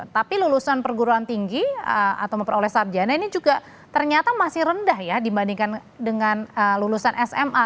tapi lulusan perguruan tinggi atau memperoleh sarjana ini juga ternyata masih rendah ya dibandingkan dengan lulusan sma